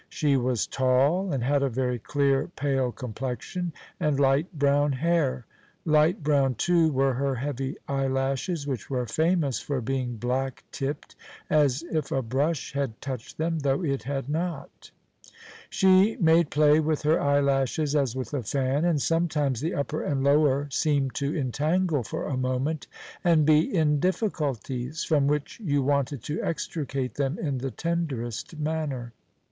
She was tall, and had a very clear, pale complexion and light brown hair. Light brown, too, were her heavy eyelashes, which were famous for being black tipped, as if a brush had touched them, though it had not. She made play with her eyelashes as with a fan, and sometimes the upper and lower seemed to entangle for a moment and be in difficulties, from which you wanted to extricate them in the tenderest manner.